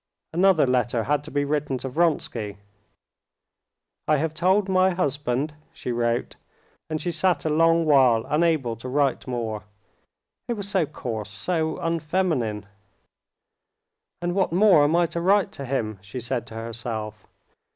Another letter had to be written to Vronsky. "I have told my husband," she wrote, and she sat a long while unable to write more. It was so coarse, so unfeminine. "And what more am I to write to him?" she said to herself.